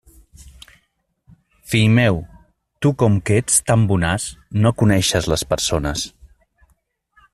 Fill meu, tu, com que ets tan bonàs, no coneixes les persones.